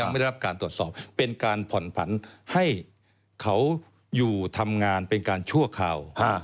ไม่ได้รับการตรวจสอบเป็นการผ่อนผันให้เขาอยู่ทำงานเป็นการชั่วคราว